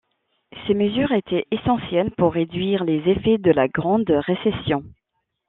Ces mesures étaient essentielles pour réduire les effets de la Grande Récession.